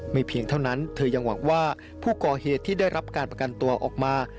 เพียงเท่านั้นเธอยังหวังว่าผู้ก่อเหตุที่ได้รับการประกันตัวออกมา